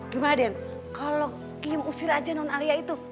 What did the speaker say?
gimana den kalau kiem usir aja non alea itu